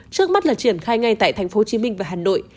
trước mắt là triển khai ngay tại tp hcm và hà nội